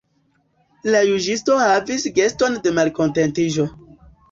La juĝisto havis geston de malkontentiĝo.